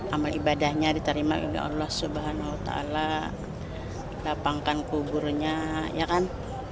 amal ibadahnya diterima oleh allah swt lapangkan kuburnya ya kan